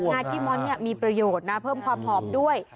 ขี้ม้อนมีประโยชน์นะเพิ่มความหอมด้วย